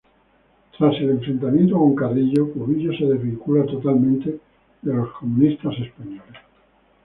Tras el enfrentamiento con Carrillo, Cubillo se desvincula totalmente de los comunistas españoles.